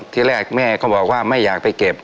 ที่แรกแม่ก็บอกว่าไม่อยากไปเก็บ